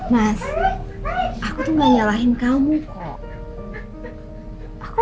mas aku tuh gak nyalahin kamu kayak